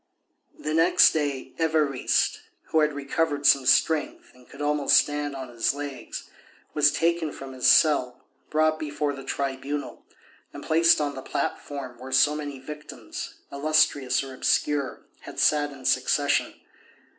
The next day Évariste, who had recovered some strength and could almost stand on his legs, was taken from his cell, brought before the Tribunal, and placed on the platform where so many victims, illustrious or obscure, had sat in succession.